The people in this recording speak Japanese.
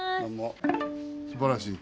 すばらしい。